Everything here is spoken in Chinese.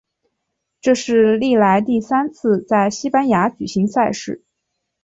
这是历来第三次在西班牙举行赛事。